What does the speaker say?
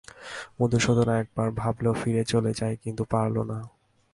মধুসূদন একবার ভাবল ফিরে চলে যাই, কিন্তু পারল না।